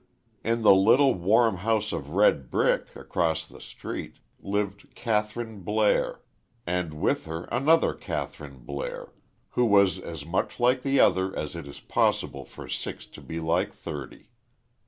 In the little, warm house of red brick, across the street, lived Kathryn Blair, and with her another Kathryn Blair, who was as much like the other as it is possible for six to be like thirty.